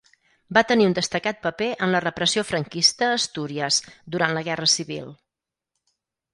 Va tenir un destacat paper en la repressió franquista a Astúries durant la Guerra civil.